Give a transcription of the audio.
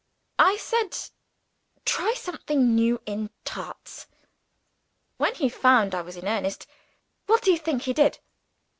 I said, 'Try something new in Tarts.' When he found I was in earnest, what do you think he did?